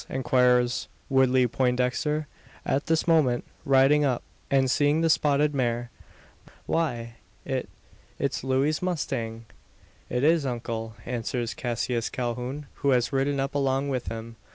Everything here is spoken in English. inquires Woodley Poindexter, at this moment, riding up, and seeing the spotted mare. "Why it it's Looey's mustang!" "It is, uncle," answers Cassius Calhoun, who has ridden up along with him.